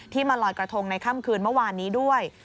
มาลอยกระทงในค่ำคืนเมื่อวานนี้ด้วย